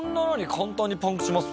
簡単にパンクします？